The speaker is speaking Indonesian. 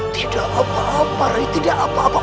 tidak apa apa ini tidak apa apa